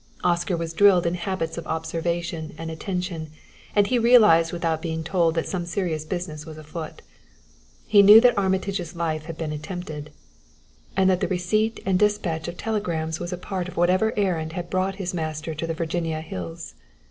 Oscar was drilled in habits of observation and attention and he realized without being told that some serious business was afoot; he knew that Armitage's life had been attempted, and that the receipt and despatch of telegrams was a part of whatever errand had brought his master to the Virginia hills.